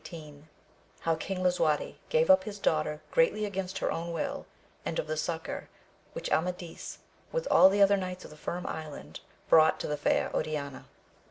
— ^How King Lisuarte gave up his daughter greatly against her own will, and of the succour which Amadis, with all the other knights of the Firm Island, hrought to the fair Oriana.